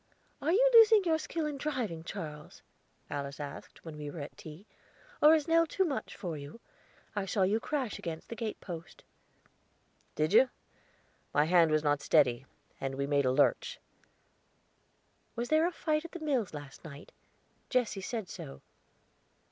"Are you losing your skill in driving, Charles?" Alice asked, when we were at tea, "or is Nell too much for you? I saw you crash against the gate post." "Did you? My hand was not steady, and we made a lurch." "Was there a fight at the mills last night? Jesse said so."